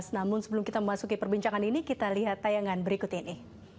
namun sebelum kita memasuki perbincangan ini kita lihat tayangan berikut ini